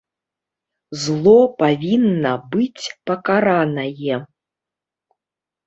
Зло павінна быць пакаранае.